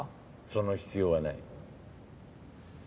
その必要はない。